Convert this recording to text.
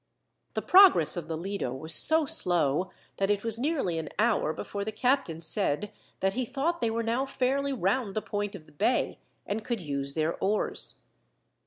The progress of the Lido was so slow, that it was nearly an hour before the captain said that he thought they were now fairly round the point of the bay, and could use their oars.